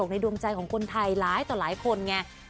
ในดวงใจของคนไทยหลายต่อหลายคนไง